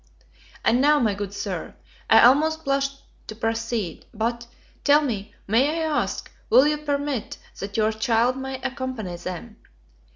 And now, my good Sir, I almost blush to proceed; but, tell me, may I ask will you permit that your child may accompany them?